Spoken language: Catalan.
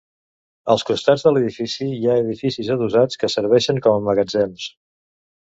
Als costats de l'edifici hi ha edificis adossats que serveixen com a magatzems.